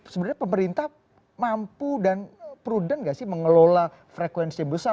sebenarnya pemerintah mampu dan prudent gak sih mengelola frekuensi yang besar